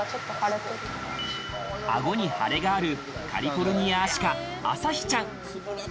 あごに腫れがあるカリフォルニアアシカ・あさひちゃん。